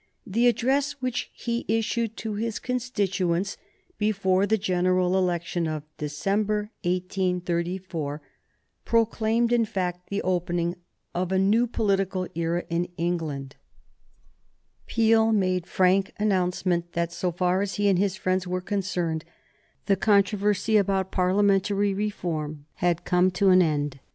The address which he issued to his constituents before the general election in December, 1834, proclaimed, in fact, the opening of a new political era in England. [Sidenote: 1834 34 Peel's Tamworth address] Peel made frank announcement that, so far as he and his friends were concerned, the controversy about Parliamentary reform had come to an end.